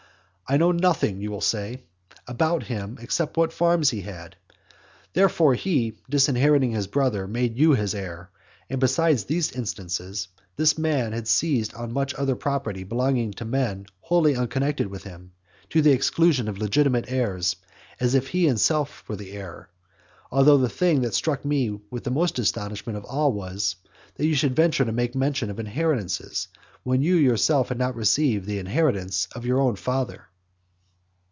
"I know nothing," you will say, "about him, except what farms he had." Therefore, he, disinheriting his brother, made you his heir. And besides these instances, this man has seized on much other property belonging to men wholly unconnected with him, to the exclusion of the legitimate heirs, as if he himself were the heir. Although the thing that struck me with most astonishment of all was, that you should venture to make mention of inheritances, when you yourself had not received the inheritance of your own father.